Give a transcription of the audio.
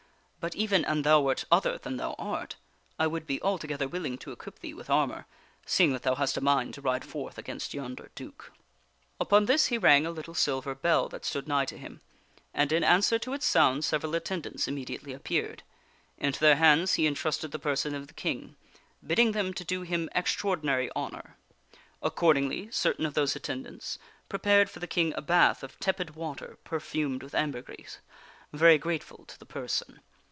But even an thou wert other than thou art, I would be altogether willing to equip thee with ar mor, seeing that thou hast a mind to ride forth against yonder duke." Upon this he rang a little silver bell that stood nigh to him, and in an swer to its sound several attendants immediately appeared. Into their hands he intrusted the person of the King, bidding them to do him extra ordinary honor. Accordingly, certain of those attendants prepared for the King a bath of tepid water perfumed with ambergris, very grateful to the person.